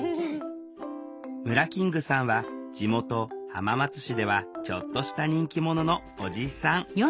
ムラキングさんは地元浜松市ではちょっとした人気者のおじさん。